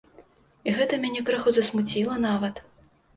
І гэта мяне крыху засмуціла нават.